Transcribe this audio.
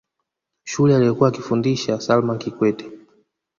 shule aliyokuwa akifundisha salma kikwete